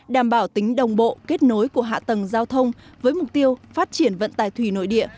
đảm bảo tính đồng bộ kết nối của hạ tầng giao thông với mục tiêu phát triển vận tài thủy nội địa